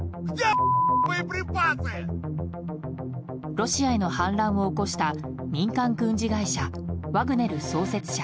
ロシアへの反乱を起こした民間軍事会社ワグネル創設者